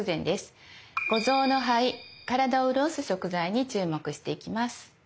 五臓の「肺」「体をうるおす食材」に注目していきます。